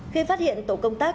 khi phát hiện tổ công tác